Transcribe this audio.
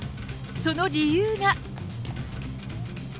その理由が。